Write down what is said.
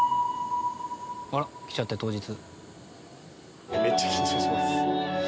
あら。来ちゃったよ当日。